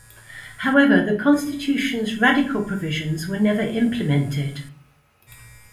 However, the Constitution's radical provisions were never implemented.